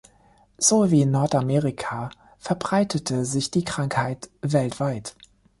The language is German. So wie in Nordamerika verbreitete sich die Krankheit weltweit.